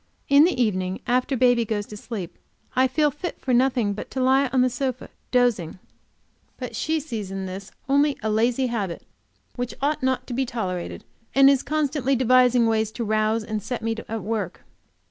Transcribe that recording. In the evening, after baby gets to sleep, I feel fit for nothing but to lie on the sofa, dozing; but she sees in this only a lazy habit, which ought not to be tolerated, and is constantly devising ways to rouse and set me at work.